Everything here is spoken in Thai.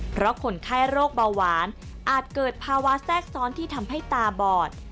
เพราะคนไข้โรคเบาหวานอาจเกิดภาวะแทรกซ้อนที่ทำให้ตาบอด